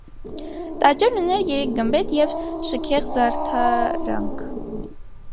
Տաճարն ուներ երեք գմբեթ և շղեք զարդարանք։